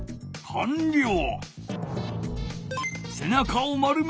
かんりょう！